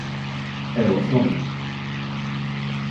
E o son.